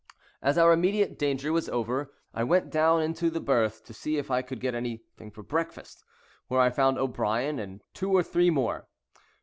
As our immediate danger was over, I went down into the berth to see if I could get anything for breakfast, where I found O'Brien and two or three more.